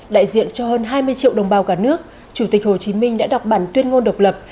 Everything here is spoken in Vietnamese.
đại diện cho hơn hai mươi triệu đồng bào cả nước chủ tịch hồ chí minh đã đọc bản tuyên ngôn độc lập